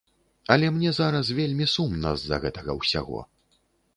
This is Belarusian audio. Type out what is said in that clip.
Але мне зараз вельмі сумна з-за гэтага ўсяго.